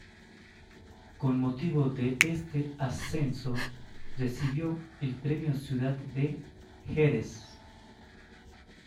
Con motivo de este ascenso recibió el premio Ciudad de Jerez.